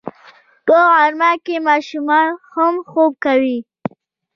په غرمه کې ماشومان هم خوب کوي